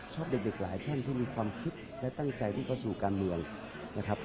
ชอบเด็กหลายท่านที่มีความคิดและตั้งใจที่เข้าสู่การเมืองนะครับ